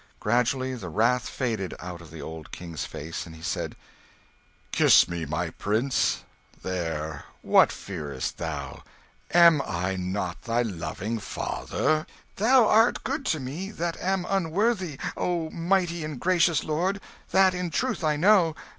Gradually the wrath faded out of the old King's face, and he said "Kiss me, my prince. There ... what fearest thou? Am I not thy loving father?" "Thou art good to me that am unworthy, O mighty and gracious lord: that in truth I know.